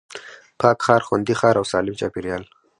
پاک ښار، خوندي ښار او سالم چاپېريال